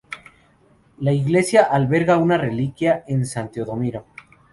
La iglesia alberga una reliquia de san Teodomiro.